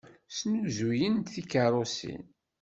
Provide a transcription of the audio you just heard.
Snuzuyent tikeṛṛusin.